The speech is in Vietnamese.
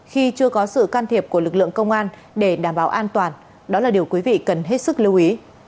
khi chưa có sự can thiệp của lực lượng công an để đảm bảo an toàn đó là điều quý vị cần hết sức lưu ý